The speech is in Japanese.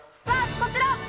さぁこちら！